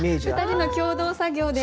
２人の共同作業で。